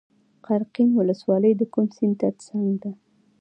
قرقین ولسوالۍ د کوم سیند تر څنګ ده؟